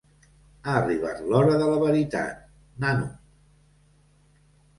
Ha arribat l'hora de la veritat, nano!